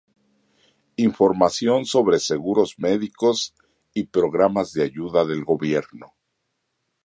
Información sobre seguros médicos y programas de ayuda del Gobierno.